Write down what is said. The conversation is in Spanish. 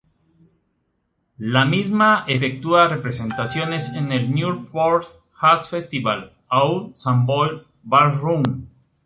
La misma efectúa representaciones en el "Newport Jazz Festival", au "Savoy Ballroom.